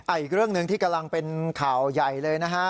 อีกเรื่องหนึ่งที่กำลังเป็นข่าวใหญ่เลยนะฮะ